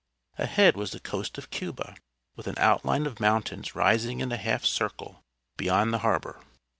Ahead was the coast of Cuba, with an outline of mountains rising in a half circle beyond the harbor.